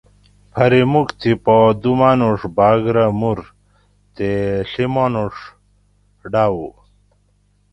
پھری مُوک تھی پا دوُ مانوڄ بھاۤگ رہ مور تے ڷی مانوڄ ڈاۤوو